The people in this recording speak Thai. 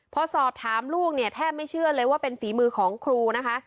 พอสอบถามลูกเนี่ยแทบไม่เชื่อเลยว่าเป็นฝีมือของครูนะคะ